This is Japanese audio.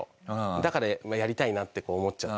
だからやりたいなって思っちゃって。